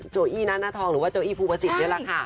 โจอี้ณนาทองหรือโจอี้ภูปาจิตนี่แหละค่ะ